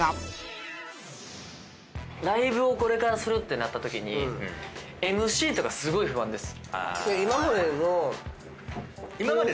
ライブをこれからするってなったときにＭＣとかすごい不安です。